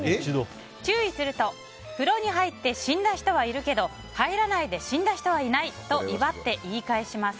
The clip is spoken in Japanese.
注意すると、風呂に入って死んだ人はいるけど入らないで死んだ人はいないと威張って言い返します。